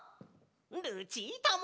ルチータも！